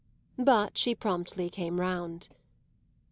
But she promptly came round.